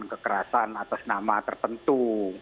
kekerasan atas nama tertentu